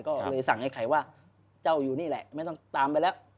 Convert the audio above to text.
ก็เลยสั่งไอ้ไข่ว่าเจ้าอยู่นี่แหละไม่ต้องตามไปแล้ว